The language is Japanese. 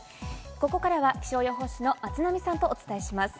ここからは気象予報士の松並さんとお伝えします。